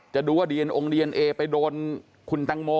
จะดูว่าดีเอ็นโอดีเอ็นเอไปโดนคุณตังโม